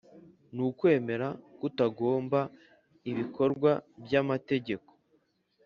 n’ukwemera kutagomba ibikorwa by’amategeko